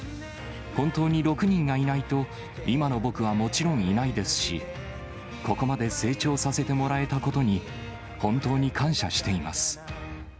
本当に６人がいないと今の僕はもちろんいないですし、ここまで成長させてもらえたことに、本当に感謝しています。